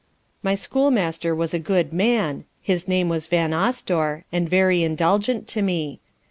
My schoolmaster was a good man, his name was Vanosdore, and very indulgent to me.